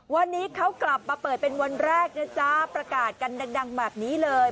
วันนี้เขากลับมาเปิดเป็นวันแรกนะจ๊ะประกาศกันดังแบบนี้เลย